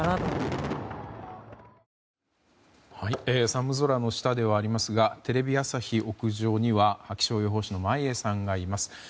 寒空の下ではありますがテレビ朝日屋上には気象予報士の眞家さんがいます。